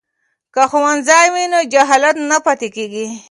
که ښوونځی وي نو جهالت نه پاتیږي.